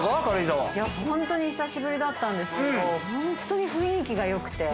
いやホントに久しぶりだったんですけどホントに雰囲気が良くて。